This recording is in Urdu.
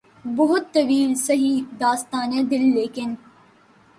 بہت طویل سہی داستانِ دل ، لیکن